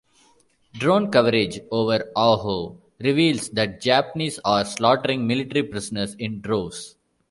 Drone coverage over Oahu reveals that the Japanese are slaughtering military prisoners in droves.